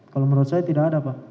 kalau menurut saya tidak ada pak